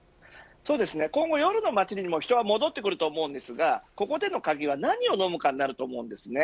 今後夜の街にも人は戻ってくると思いますがここでの鍵は何を飲むかになります。